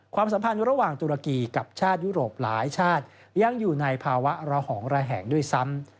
ความสัมพันธ์ระหว่างตุรกีกับชาติยุโรปหลายชาติยังอยู่ในภาวะระหองระแหงด้วยซ้ำ